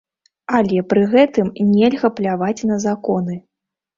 Але пры гэтым нельга пляваць на законы!